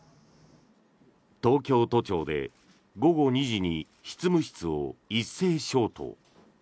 東京都庁で午後２時に執務室を一斉消灯。